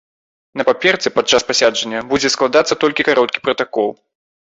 На паперы падчас пасяджэння будзе складацца толькі кароткі пратакол.